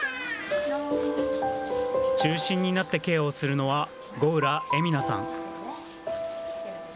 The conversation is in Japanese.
中心になってケアをするのは吾浦恵美苗さん。